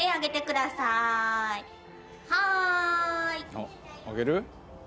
あっ挙げる？